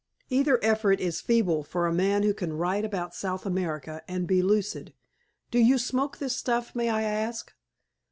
"Either effort is feeble for a man who can write about South America, and be lucid. Do you smoke this stuff, may I ask?"